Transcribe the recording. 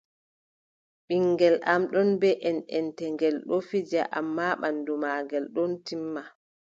Ɓinngel am ɗon bee enʼente, ngel ɗon fija ammaa ɓanndu maagel ɗon timma.